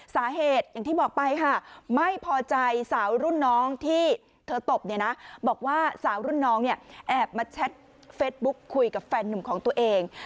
สาเหตุอย่างที่บอกไปค่ะไม่พอใจสาวรุ่นน้องที่เธอตบเนี่ยนะบอกว่าสาวรุ่นน้องเนี่ยแอบมาแชทเฟสบุ๊คคุยกับแฟนหนุ่มของตัวเอง